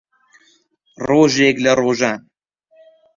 ڕۆژێک لە ڕۆژان